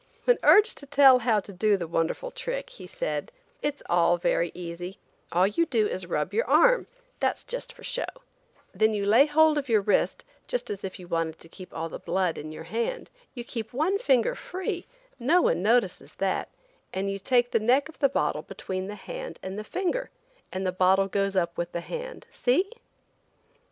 When urged to tell how to do the wonderful trick, he said: "It's all very easy; all you do is to rub your arm, that's just for show; then you lay hold of your wrist just as if you wanted to keep all the blood in your hand; you keep one finger free–no one notices that–and you take the neck of the bottle between the hand and the finger, and the bottle goes up with the hand. See?"